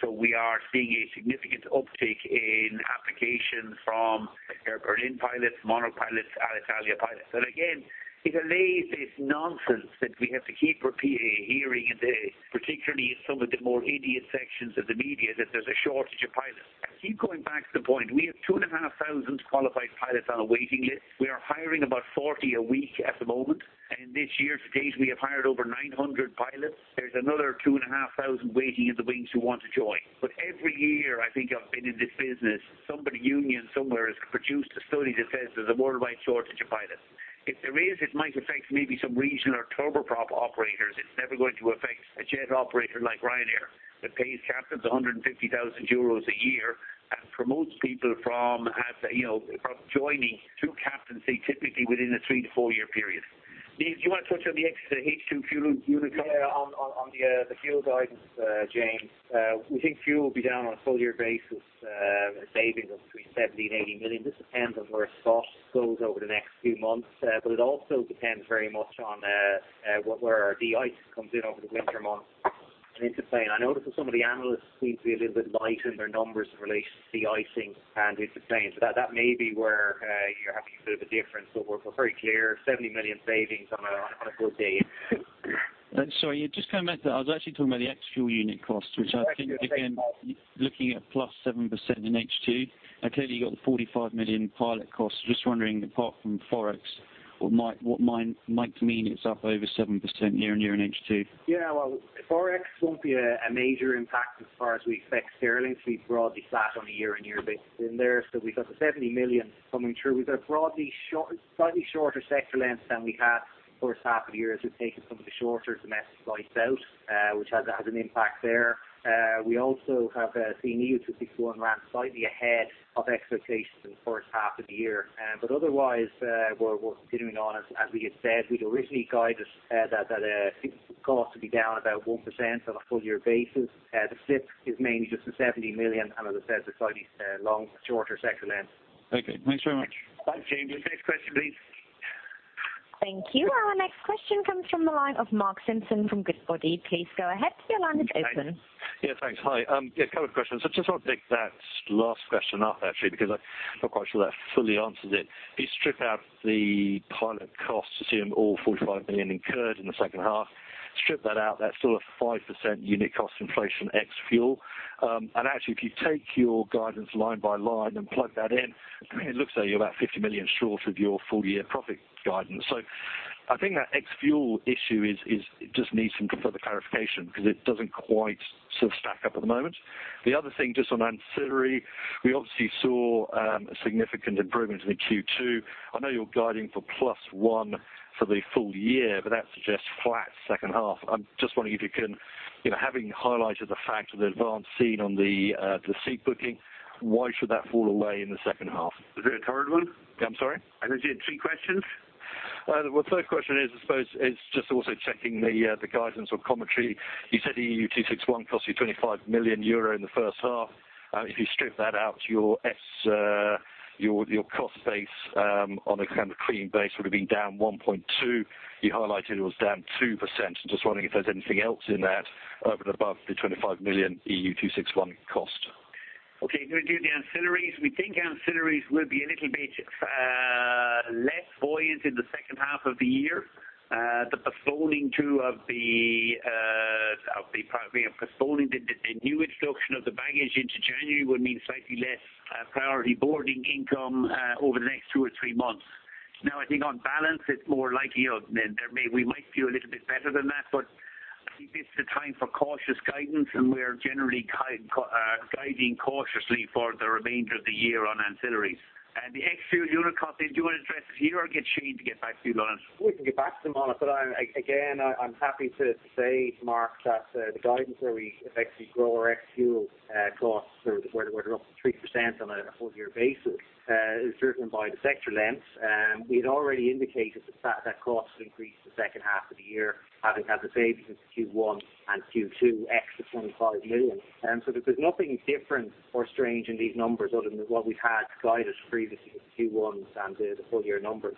We are seeing a significant uptick in applications from Air Berlin pilots, Monarch pilots, Alitalia pilots. Again, it allays this nonsense that we have to keep hearing in the, particularly in some of the more idiot sections of the media, that there's a shortage of pilots. I keep going back to the point. We have 2,500 qualified pilots on a waiting list. We are hiring about 40 a week at the moment. In this year to date, we have hired over 900 pilots. There's another 2,500 waiting in the wings who want to join. Every year I think I've been in this business, some bloody union somewhere has produced a study that says there's a worldwide shortage of pilots. If there is, it might affect maybe some regional or turboprop operators. Never going to affect a jet operator like Ryanair that pays captains 150,000 euros a year and promotes people from joining to captaincy, typically within a three to four-year period. Neil, do you want to touch on the H2 fuel unit? Yeah. On the fuel guidance, James, we think fuel will be down on a full year basis, a saving of between 70 million and 80 million. This depends on where spot goes over the next few months. It also depends very much on where de-ice comes in over the winter months and into play. I notice that some of the analysts seem to be a little bit light in their numbers in relation to de-icing and into play. That may be where you're having a bit of a difference, but we're very clear, 70 million savings on a full year. Sorry, just coming back to that. I was actually talking about the ex-fuel unit cost, which I think again Ex-fuel unit cost Looking at +7% in H2, clearly you've got the 45 million pilot costs. Just wondering, apart from Forex, what might it mean it's up over 7% year-on-year in H2? Yeah. Well, Forex won't be a major impact as far as we affect sterling, because we're broadly flat on a year-on-year basis in there. We've got the 70 million coming through. We've got a slightly shorter sector length than we had first half of the year, as we've taken some of the shorter domestic flights out, which has an impact there. We also have seen EU261 ran slightly ahead of expectations in the first half of the year. Otherwise, we're continuing on, as we had said, we'd originally guided that costs would be down about 1% on a full year basis. The slip is mainly just the 70 million, and as I said, the slightly shorter sector length. Okay, thanks very much. Thanks, James. Next question please. Thank you. Our next question comes from the line of Mark Simpson from Goodbody. Please go ahead. Your line is open. Thanks. Hi. A couple of questions. I just want to pick that last question up actually, because I'm not quite sure that fully answers it. If you strip out the pilot costs, assume all 45 million incurred in the second half, strip that out, that's still a 5% unit cost inflation ex-fuel. Actually, if you take your guidance line by line and plug that in, it looks like you're about 50 million short of your full year profit guidance. I think that ex-fuel issue just needs some further clarification, because it doesn't quite sort of stack up at the moment. The other thing just on ancillary, we obviously saw a significant improvement in the Q2. I know you're guiding for plus one for the full year, but that suggests flat second half. I'm just wondering if you can, having highlighted the fact of the advance seen on the seat booking, why should that fall away in the second half? Is there a third one? I'm sorry? I thought you had three questions. Well, third question is, I suppose it's just also checking the guidance or commentary. You said EU261 cost you 25 million euro in the first half. If you strip that out, your cost base on a kind of clean base would have been down 1.2%. You highlighted it was down 2%. I'm just wondering if there's anything else in that over and above the 25 million EU261 cost. Okay, going to do the ancillaries. We think ancillaries will be a little bit less buoyant in the second half of the year. The postponing the new introduction of the baggage into January would mean slightly less priority boarding income over the next two or three months. I think on balance, it's more likely, we might feel a little bit better than that, but I think this is the time for cautious guidance, and we're generally guiding cautiously for the remainder of the year on ancillaries. The ex-fuel unit cost, Neil, do you want to address it here or get Shane to get back to you on it? We can get back to them on it. Again, I'm happy to say, Mark, that the guidance where we effectively grow our ex-fuel costs, where they're up 3% on a full year basis, is driven by the sector length. We had already indicated the fact that costs will increase the second half of the year, having had the savings into Q1 and Q2 ex the 25 million. There's nothing different or strange in these numbers other than what we've had guided previously with Q1 and the full year numbers.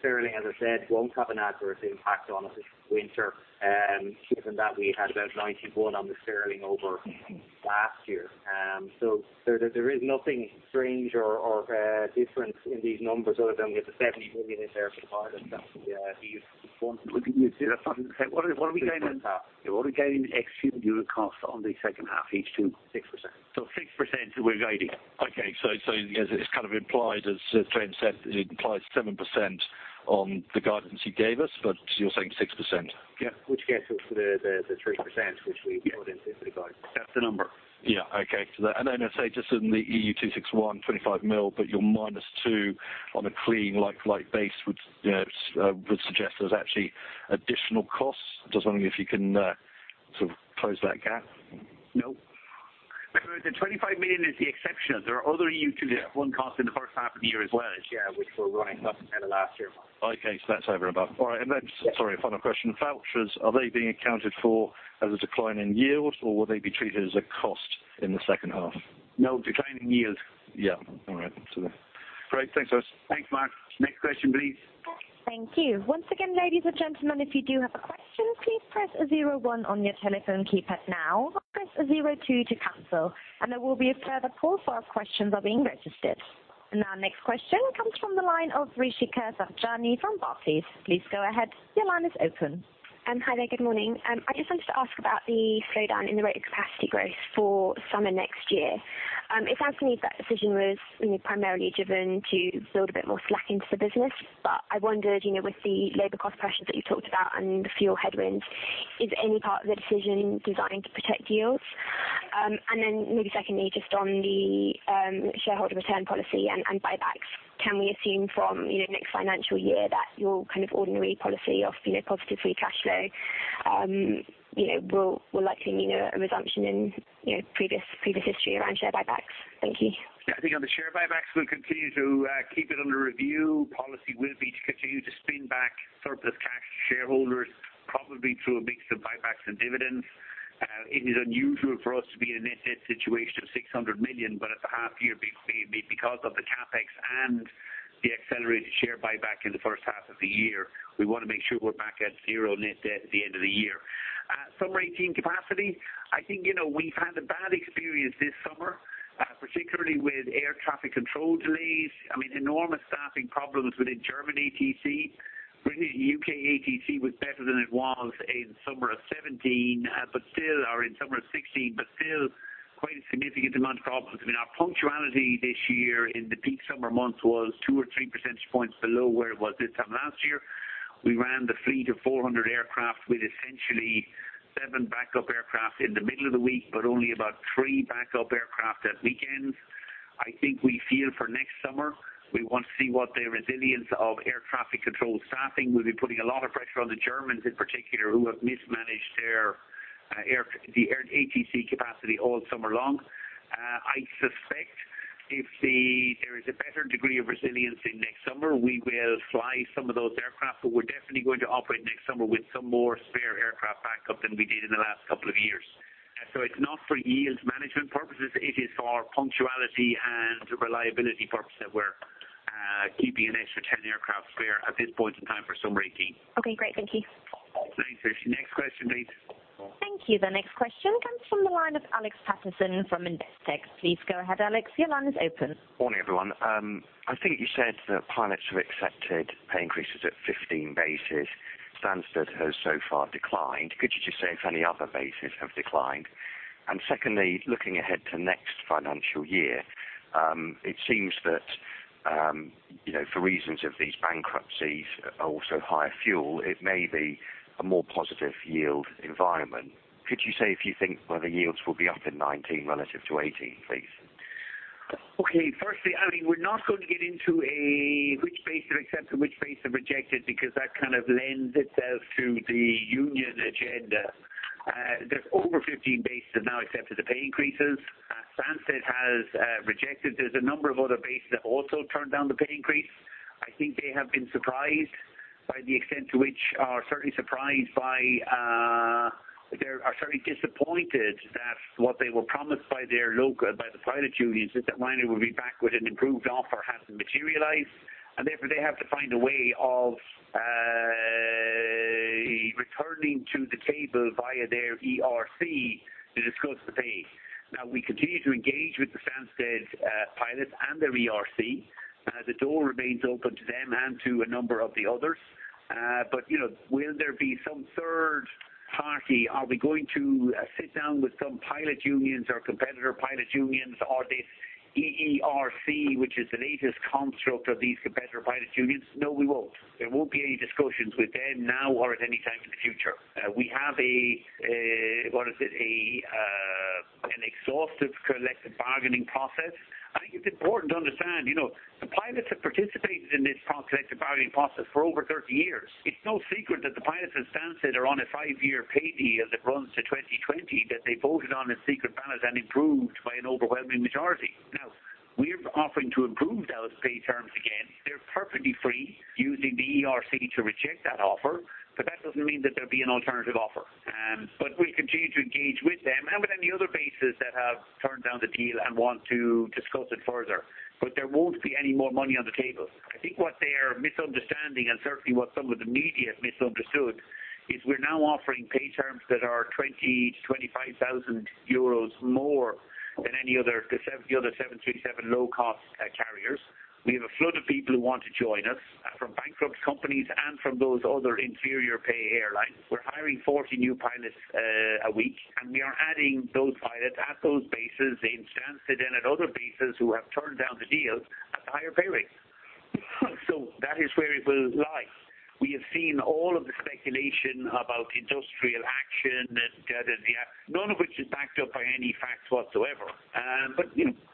Sterling, as I said, won't have an adverse impact on us this winter, given that we had about 91% on the sterling over last year. There is nothing strange or different in these numbers other than we have the 70 million in there for the pilots that we've won. What are we gaining? Second half. What are we gaining ex-fuel unit cost on the second half, H2? 6%. 6% we're guiding. Okay. As it is kind of implied, as Shane said, it implies 7% on the guidance you gave us, but you're saying 6%. Yeah. Which gets us to the 3%, which we've identified. That's the number. Yeah. Okay. Then I'd say just on the EU261, 25 million, but your minus 2 million on a clean like-like base would suggest there's actually additional costs. Just wondering if you can sort of close that gap. No. The 25 million is the exception. There are other EU261 costs in the first half of the year as well. Yeah, which were running less than last year. Okay. That's over above. All right. Then, sorry, final question. Vouchers, are they being accounted for as a decline in yield, or will they be treated as a cost in the second half? No, decline in yield. Yeah. All right. Great. Thanks. Thanks, Mark. Next question, please. Thank you. Once again, ladies and gentlemen, if you do have a question, please press 01 on your telephone keypad now, or press 02 to cancel. There will be a further poll for questions are being registered. Our next question comes from the line of Rishika Savjani from Barclays. Please go ahead. Your line is open. Hi there. Good morning. I just wanted to ask about the slowdown in the rate of capacity growth for summer next year. It sounds to me that decision was primarily driven to build a bit more slack into the business. I wondered, with the labor cost pressures that you talked about and the fuel headwinds, is any part of the decision designed to protect yields? Then maybe secondly, just on the shareholder return policy and buybacks. Can we assume from next financial year that your ordinary policy of positive free cash flow will likely mean a resumption in previous history around share buybacks? Thank you. Yeah, I think on the share buybacks, we'll continue to keep it under review. Policy will be to continue to spin back surplus cash to shareholders, probably through a mix of buybacks and dividends. It is unusual for us to be in a net-net situation of 600 million, but at the half year because of the CapEx and the accelerated share buyback in the first half of the year, we want to make sure we're back at zero net debt at the end of the year. Summer 2018 capacity, I think we've had a bad experience this summer, particularly with air traffic control delays. I mean, enormous staffing problems within German ATC. Britain U.K. ATC was better than it was in summer of 2017, but still are in summer of 2016, but still quite a significant amount of problems. I mean, our punctuality this year in the peak summer months was two or three percentage points below where it was this time last year. We ran the fleet of 400 aircraft with essentially seven backup aircraft in the middle of the week, but only about three backup aircraft at weekends. I think we feel for next summer, we want to see what the resilience of air traffic control staffing. We'll be putting a lot of pressure on the Germans in particular, who have mismanaged their ATC capacity all summer long. I suspect if there is a better degree of resilience in next summer, we will fly some of those aircraft. We're definitely going to operate next summer with some more spare aircraft backup than we did in the last couple of years. It's not for yield management purposes. It is for punctuality and reliability purposes that we're keeping an extra 10 aircraft spare at this point in time for summer 2018. Okay, great. Thank you. Thanks. Next question, please. Thank you. The next question comes from the line of Alexander Paterson from Investec. Please go ahead, Alex. Your line is open. Morning, everyone. I think you said that pilots have accepted pay increases at 15 bases. Stansted has so far declined. Could you just say if any other bases have declined? Secondly, looking ahead to next financial year, it seems that for reasons of these bankruptcies, also higher fuel, it may be a more positive yield environment. Could you say if you think whether yields will be up in 2019 relative to 2018, please? Okay. Firstly, I mean, we're not going to get into a which base have accepted, which base have rejected, because that kind of lends itself to the union agenda. There's over 15 bases that now accepted the pay increases. Stansted has rejected. There's a number of other bases that also turned down the pay increase. I think they have been surprised by the extent to which they are certainly disappointed that what they were promised by the pilot unions, is that Ryanair would be back with an improved offer hasn't materialized. Therefore, they have to find a way of returning to the table via their ERC to discuss the pay. We continue to engage with the Stansted pilots and their ERC. The door remains open to them and to a number of the others. Will there be some third party? Are we going to sit down with some pilot unions or competitor pilot unions or this EERC, which is the latest construct of these competitor pilot unions? No, we won't. There won't be any discussions with them now or at any time in the future. We have a, what is it? An exhaustive collective bargaining process. I think it's important to understand. The pilots have participated in this collective bargaining process for over 30 years. It's no secret that the pilots at Stansted are on a five-year pay deal that runs to 2020 that they voted on a secret ballot and improved by an overwhelming majority. We're offering to improve those pay terms again. They're perfectly free using the ERC to reject that offer. That doesn't mean that there'll be an alternative offer. We'll continue to engage with them and with any other bases that have turned down the deal and want to discuss it further. There won't be any more money on the table. I think what they are misunderstanding, and certainly what some of the media have misunderstood, is we're now offering pay terms that are 20,000-25,000 euros more than any of the other 737 low-cost carriers. We have a flood of people who want to join us from bankrupt companies and from those other inferior pay airlines. We're hiring 40 new pilots a week. We are adding those pilots at those bases in Stansted and at other bases who have turned down the deals at the higher pay rates. That is where it will lie. We have seen all of the speculation about industrial action, none of which is backed up by any facts whatsoever.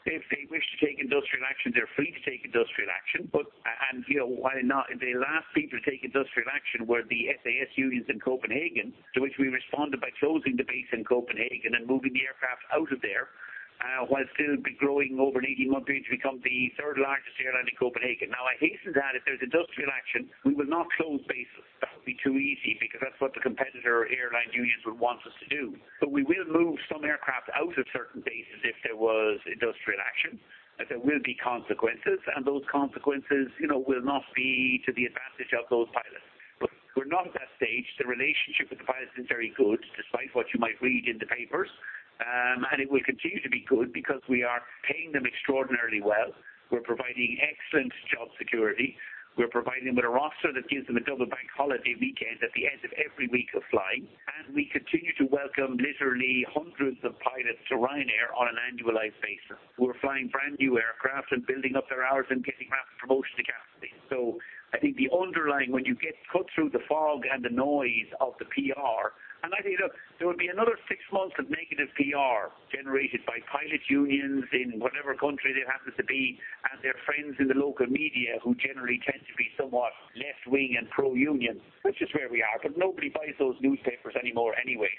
If they wish to take industrial action, they're free to take industrial action. While the last people to take industrial action were the SAS unions in Copenhagen, to which we responded by closing the base in Copenhagen and moving the aircraft out of there, while still growing over an 18-month period to become the third largest airline in Copenhagen. I hasten to add if there's industrial action, we will not close bases. That would be too easy because that's what the competitor airline unions would want us to do. We will move some aircraft out of certain bases if there was industrial action. There will be consequences, and those consequences will not be to the advantage of those pilots. We're not at that stage. The relationship with the pilots is very good, despite what you might read in the papers. It will continue to be good because we are paying them extraordinarily well. We're providing excellent job security. We're providing them with a roster that gives them a double bank holiday weekend at the end of every week of flying. We continue to welcome literally hundreds of pilots to Ryanair on an annualized basis, who are flying brand-new aircraft and building up their hours and getting rapid promotion to captain. I think the underlying, when you cut through the fog and the noise of the PR, I think there will be another six months of negative PR generated by pilot unions in whatever country they happen to be, their friends in the local media, who generally tend to be somewhat left-wing and pro-union. That's just where we are, nobody buys those newspapers anymore anyway.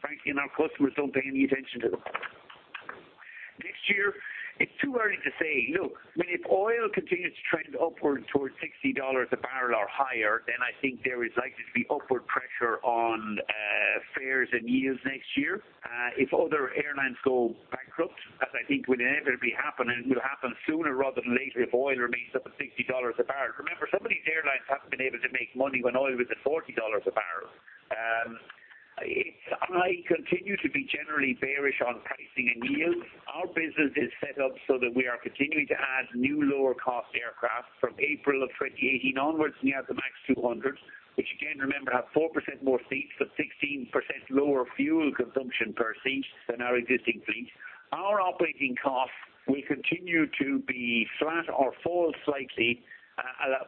Frankly, our customers don't pay any attention to them. Next year, it's too early to say. If oil continues to trend upward towards $60 a barrel or higher, then I think there is likely to be upward pressure on fares and yields next year. If other airlines go bankrupt, as I think will inevitably happen, will happen sooner rather than later if oil remains above $60 a barrel. Remember, some of these airlines haven't been able to make money when oil was at $40 a barrel. I continue to be generally bearish on pricing and yield. Our business is set up so that we are continuing to add new lower-cost aircraft from April of 2018 onwards. We have the MAX 200, which again, remember, have 4% more seats but 16% lower fuel consumption per seat than our existing fleet. Our operating costs will continue to be flat or fall slightly,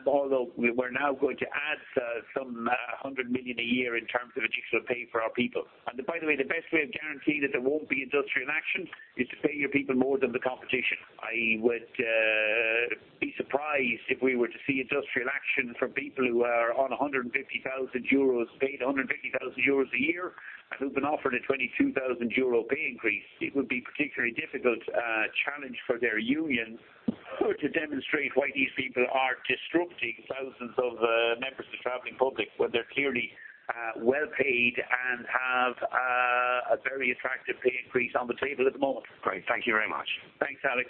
although we're now going to add some 100 million a year in terms of additional pay for our people. By the way, the best way of guaranteeing that there won't be industrial action is to pay your people more than the competition. I would be surprised if we were to see industrial action from people who are on paid 150,000 euros a year and who've been offered a 22,000 euro pay increase. It would be particularly difficult challenge for their union to demonstrate why these people are disrupting thousands of members of the traveling public, when they're clearly well-paid and have a very attractive pay increase on the table at the moment. Great. Thank you very much. Thanks, Alex.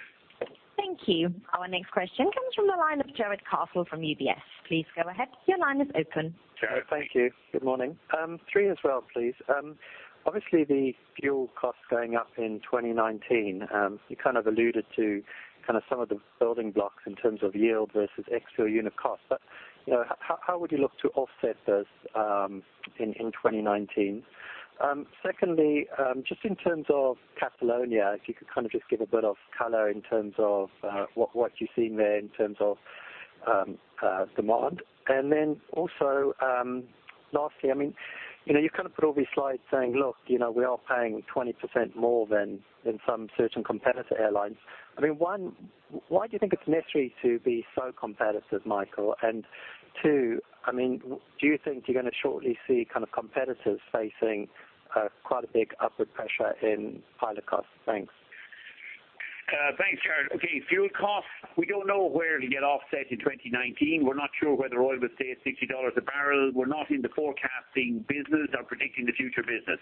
Thank you. Our next question comes from the line of Jarrod Castle from UBS. Please go ahead. Your line is open. Jarrod, thank you. Good morning. 3 as well, please. Obviously, the fuel costs going up in 2019. You kind of alluded to some of the building blocks in terms of yield versus extra unit cost. How would you look to offset those in 2019? Secondly, just in terms of Catalonia, if you could kind of just give a bit of color in terms of what you're seeing there in terms of demand. Then also, lastly, you've kind of put all these slides saying, look, we are paying 20% more than some certain competitor airlines. One, why do you think it's necessary to be so competitive, Michael? And two, do you think you're going to shortly see competitors facing quite a big upward pressure in pilot costs? Thanks. Thanks, Jarrod. Okay, fuel costs. We don't know where it'll get offset in 2019. We're not sure whether oil will stay at 60 dollars a barrel. We're not in the forecasting business or predicting the future business.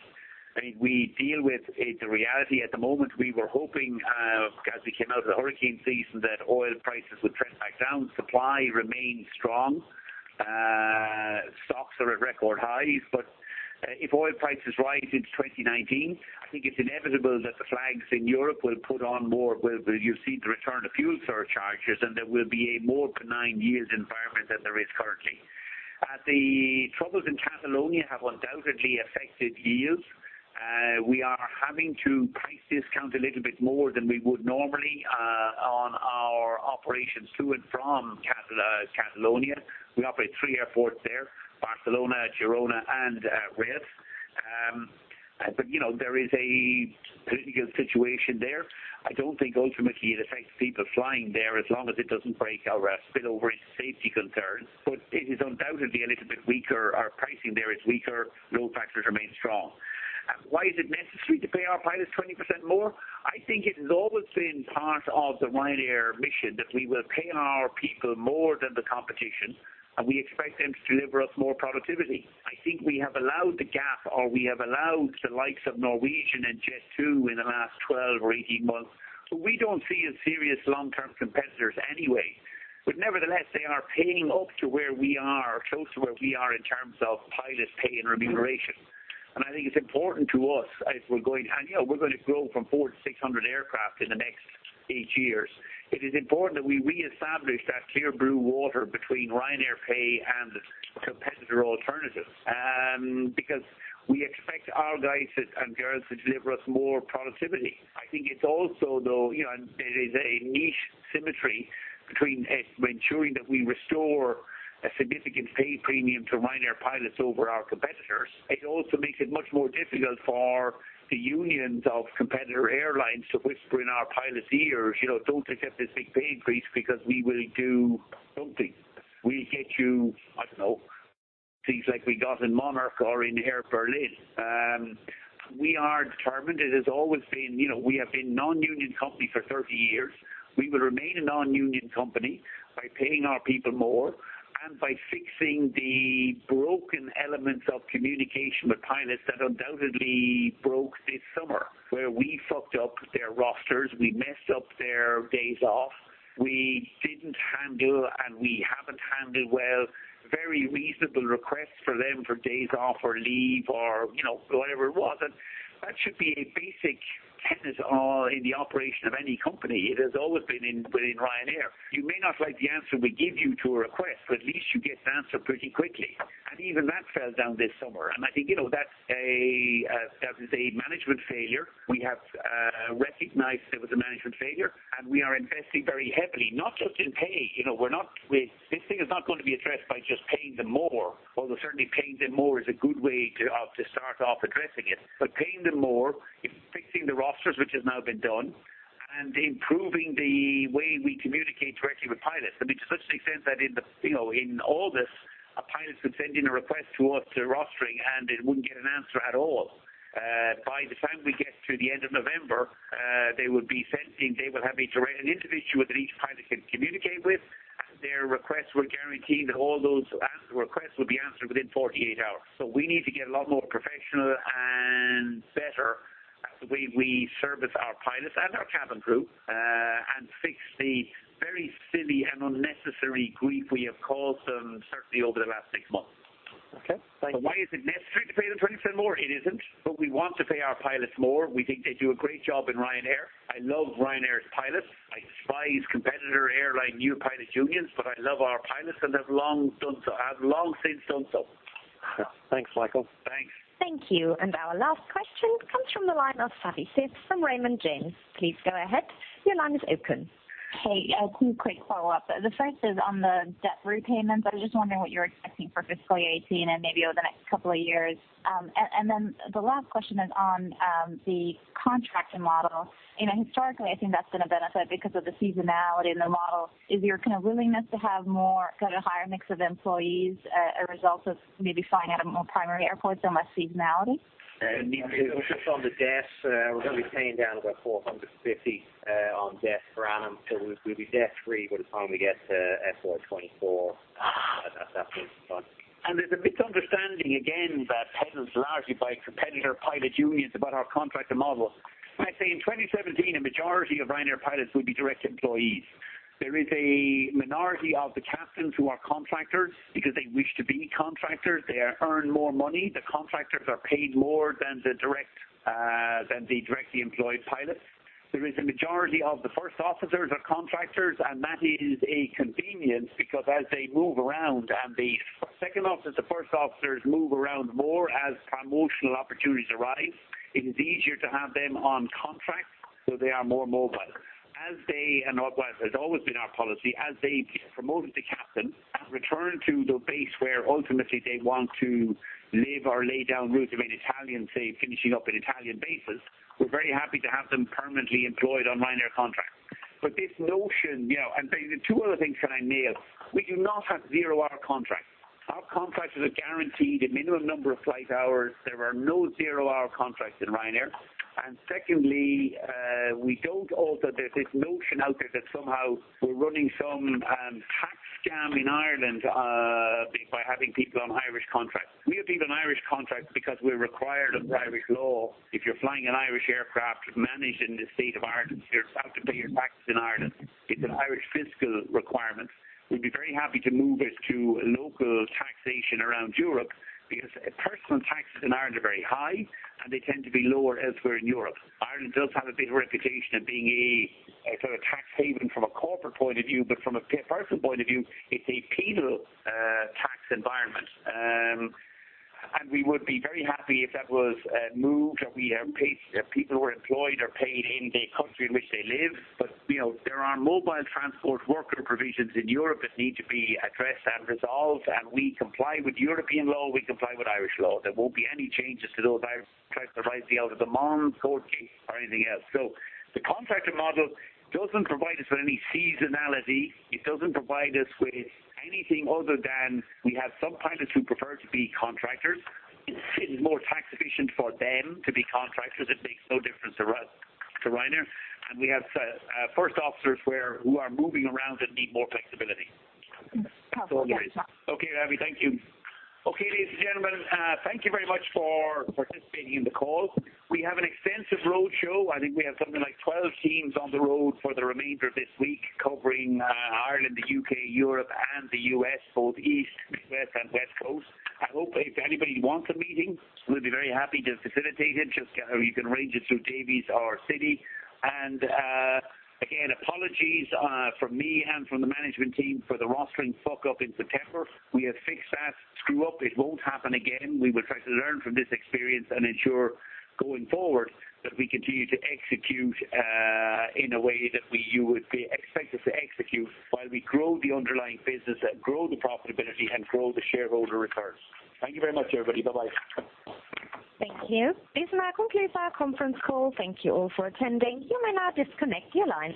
We deal with the reality at the moment. We were hoping as we came out of the hurricane season that oil prices would trend back down. Supply remains strong. Stocks are at record highs. If oil prices rise into 2019, I think it's inevitable that the flags in Europe will put on more-- You'll see the return of fuel surcharges, and there will be a more benign yield environment than there is currently. The troubles in Catalonia have undoubtedly affected yields. We are having to price discount a little bit more than we would normally on our operations to and from Catalonia. We operate 3 airports there, Barcelona, Girona, and Reus. There is a political situation there. I don't think ultimately it affects people flying there, as long as it doesn't break our spill-over safety concerns. It is undoubtedly a little bit weaker. Our pricing there is weaker. Load factors remain strong. Why is it necessary to pay our pilots 20% more? I think it has always been part of the Ryanair mission that we will pay our people more than the competition, and we expect them to deliver us more productivity. I think we have allowed the gap, or we have allowed the likes of Norwegian and Jet2 in the last 12 or 18 months, who we don't see as serious long-term competitors anyway. Nevertheless, they are paying up to where we are, close to where we are in terms of pilot pay and remuneration. I think it's important to us as we're going to grow from 400 to 600 aircraft in the next eight years. It is important that we reestablish that clear blue water between Ryanair pay and competitor alternatives. We expect our guys and girls to deliver us more productivity. I think it's also, though, there is a nice symmetry between ensuring that we restore a significant pay premium to Ryanair pilots over our competitors. It also makes it much more difficult for the unions of competitor airlines to whisper in our pilots' ears, "Don't accept this big pay increase because we will do something. We'll get you," I don't know, things like we got in Monarch Airlines or in Air Berlin. We are determined. We have been non-union company for 30 years. We will remain a non-union company by paying our people more by fixing the broken elements of communication with pilots that undoubtedly broke this summer, where we fucked up their rosters, we messed up their days off, we didn't handle, and we haven't handled well, very reasonable requests for them for days off or leave or whatever it was. That should be a basic tenet in the operation of any company. It has always been within Ryanair. You may not like the answer we give you to a request, but at least you get an answer pretty quickly. Even that fell down this summer. I think that is a management failure. We have recognized it was a management failure, and we are investing very heavily, not just in pay. This thing is not going to be addressed by just paying them more, although certainly paying them more is a good way to start off addressing it. Paying them more, fixing the rosters, which has now been done, and improving the way we communicate directly with pilots. I mean, to such an extent that in August, our pilots would send in a request to us to rostering, and they wouldn't get an answer at all. By the time we get to the end of November, they will have an individual that each pilot can communicate with, and their requests were guaranteed that all those requests will be answered within 48 hours. We need to get a lot more professional and better at the way we service our pilots and our cabin crew, and fix the very silly and unnecessary grief we have caused them, certainly over the last six months. Okay. Thank you. Why is it necessary to pay them 20% more? It isn't. We want to pay our pilots more. We think they do a great job in Ryanair. I love Ryanair's pilots. I despise competitor airline pilot unions, but I love our pilots and have long since done so. Thanks, Michael. Thanks. Thank you. Our last question comes from the line of Savanthi Syth from Raymond James. Please go ahead. Your line is open. Hey, two quick follow-up. The first is on the debt repayments. I was just wondering what you're expecting for fiscal year 2018 and maybe over the next couple of years. Then the last question is on the contracting model. Historically, I think that's been a benefit because of the seasonality in the model. Is your kind of willingness to have more kind of a higher mix of employees a result of maybe flying out of more primary airports and less seasonality? Just on the debts, we're going to be paying down about 450 on debt per annum. We'll be debt-free by the time we get to FY 2024. At that point in time. There's a misunderstanding, again, peddled largely by competitor pilot unions about our contractor model. I'd say in 2017, a majority of Ryanair pilots will be direct employees. There is a minority of the captains who are contractors because they wish to be contractors. They earn more money. The contractors are paid more than the directly employed pilots. There is a majority of the first officers are contractors, and that is a convenience because as they move around and the second officers, the first officers move around more as promotional opportunities arise, it is easier to have them on contract, so they are more mobile. It has always been our policy, as they get promoted to captain and return to the base where ultimately they want to live or lay down roots, if an Italian, say, finishing up in Italian bases, we're very happy to have them permanently employed on Ryanair contracts. There are two other things can I nail. We do not have zero-hour contracts. Our contractors are guaranteed a minimum number of flight hours. There are no zero-hour contracts in Ryanair. Secondly, there's this notion out there that somehow we're running some tax scam in Ireland by having people on Irish contracts. We have people on Irish contracts because we're required under Irish law. If you're flying an Irish aircraft managed in the state of Ireland, you have to pay your taxes in Ireland. It's an Irish fiscal requirement. We'd be very happy to move it to local taxation around Europe because personal taxes in Ireland are very high, and they tend to be lower elsewhere in Europe. Ireland does have a bit of a reputation of being a sort of tax haven from a corporate point of view, but from a personal point of view, it's a penal tax environment. We would be very happy if that was moved, and people who are employed are paid in the country in which they live. There are mobile transport worker provisions in Europe that need to be addressed and resolved. We comply with European law, we comply with Irish law. There won't be any changes to those. I try to write the out of the Monford case or anything else. The contractor model doesn't provide us with any seasonality. It doesn't provide us with anything other than we have some pilots who prefer to be contractors. It's more tax efficient for them to be contractors. It makes no difference to us, to Ryanair. We have first officers who are moving around and need more flexibility. Copy. Yes. Okay. Savi, thank you. Okay, ladies and gentlemen, thank you very much for participating in the call. We have an extensive roadshow. I think we have something like 12 teams on the road for the remainder of this week covering Ireland, the U.K., Europe, and the U.S., both East, Midwest, and West Coast. If anybody wants a meeting, we'll be very happy to facilitate it. You can arrange it through Davy or Citi. Again, apologies from me and from the management team for the rostering fuck up in September. We have fixed that screw up. It won't happen again. We will try to learn from this experience and ensure going forward that we continue to execute in a way that you would expect us to execute while we grow the underlying business and grow the profitability and grow the shareholder returns. Thank you very much, everybody. Bye-bye. Thank you. This now concludes our conference call. Thank you all for attending. You may now disconnect your line.